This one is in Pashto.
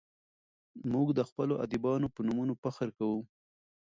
موږ د خپلو ادیبانو په نومونو فخر کوو.